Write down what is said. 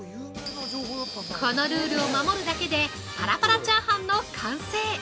◆このルールを守るだけでパラパラチャーハンの完成。